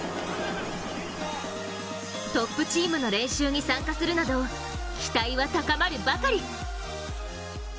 トップチームの練習に参加するなど期待は高まるばかり。